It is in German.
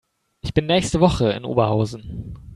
Ich bin nächste Woche in Oberhausen